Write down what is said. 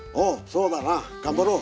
そうだな頑張ろう。